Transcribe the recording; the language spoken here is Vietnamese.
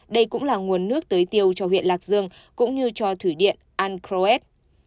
đây cũng là nguồn nước tưới tiêu cho huyện lạc dương cũng như cho thủy điện an croet